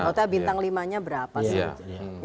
hotel bintang lima nya berapa saja